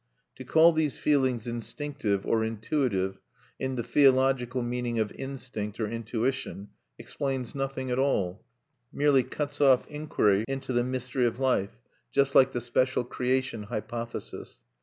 To call these feelings instinctive or intuitive, in the theological meaning of instinct or intuition, explains nothing at all merely cuts off inquiry into the mystery of life, just like the special creation hypothesis.